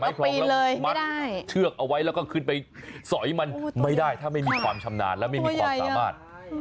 คลองแล้วมัดเชือกเอาไว้แล้วก็ขึ้นไปสอยมันไม่ได้ถ้าไม่มีความชำนาญและไม่มีความสามารถ